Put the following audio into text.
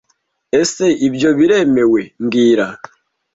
Ese ibyo biremewe mbwira